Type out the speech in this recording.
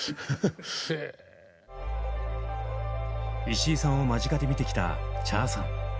石井さんを間近で見てきたＣｈａｒさん。